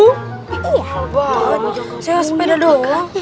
wah sewa sepeda doang